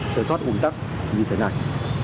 trở thoát bụng tắc như thế này